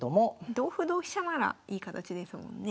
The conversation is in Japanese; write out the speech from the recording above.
同歩同飛車ならいい形ですもんね。